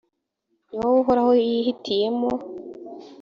ni wowe uhoraho yihitiyemo,